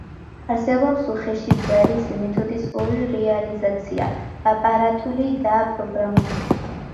არსებობს უხეში ძალის მეთოდის ორი რეალიზაცია: აპარატული და პროგრამული.